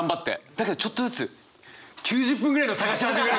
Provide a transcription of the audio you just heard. だけどちょっとずつ９０分ぐらいの探し始めるんですよ。